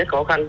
rất khó khăn